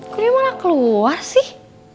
gue malah keluar sih